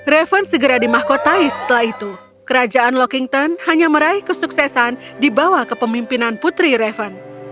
revan segera dimahkotai setelah itu kerajaan lockington hanya meraih kesuksesan dibawah kepemimpinan putri revan